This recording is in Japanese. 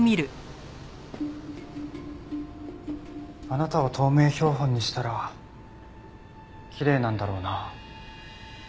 あなたを透明標本にしたらきれいなんだろうな。